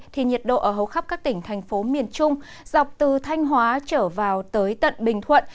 thì nhiệt độ ở hầu khắp các tỉnh thành phố miền trung dọc từ thanh hóa trở vào tới tận bình thuận